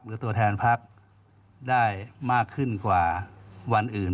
หรือตัวแทนพักได้มากขึ้นกว่าวันอื่น